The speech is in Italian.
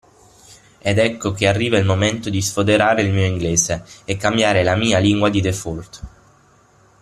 Ed ecco che arriva il momento di sfoderare il mio inglese e cambiare la mia lingua di default.